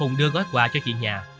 hùng đưa mấy gói quà cho chị nhà